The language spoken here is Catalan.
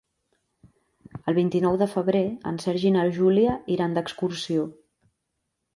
El vint-i-nou de febrer en Sergi i na Júlia iran d'excursió.